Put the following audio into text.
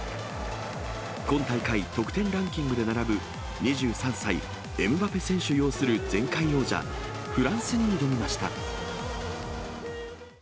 今大会、得点ランキングで並ぶ２３歳、エムバペ選手擁する前回王者、フランスに挑みました。